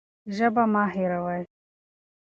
ژبه مه هېروئ.